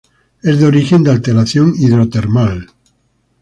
Es de origen de alteración hidrotermal.